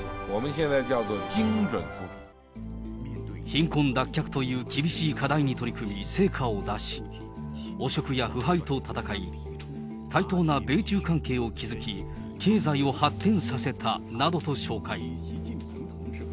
貧困脱却という厳しい課題に取り組み、成果を出し、汚職や腐敗と戦い、対等な米中関係を築き、経済を発展させたなどと紹介。